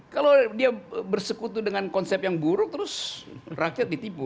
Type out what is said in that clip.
kalau dia bersekutu dengan konsep yang buruk terus rakyat ditipu